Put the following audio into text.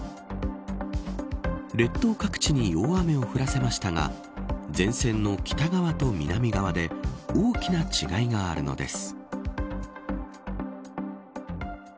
列島各地に大雨を降らせましたが前線の北側と南側で大きな違いがあるのです。